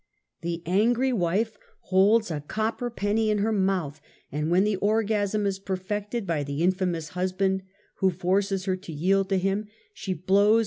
LANGUAGE OF THE NERVES. 145 The angiy wife holds a copper penny in her mouth and when the orgasm is perfected by the infamous husband who forces her to yield to him ; she blows